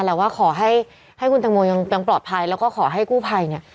แต่ว่าขอให้ให้คุณตังโมยังปลอดภัยแล้วก็ขอให้กู้ภัยเนี่ย